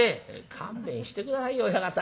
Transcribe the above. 「勘弁して下さいよ親方。